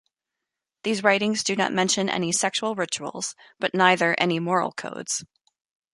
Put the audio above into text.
These writings do not mention any sexual rituals, but neither any moral codes.